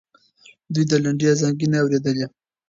دوی د لنډۍ ازانګې نه اورېدلې.